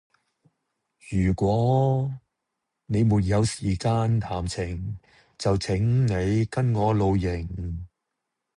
如果你沒有時間談情，就請你跟我露營。